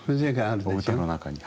お歌の中に。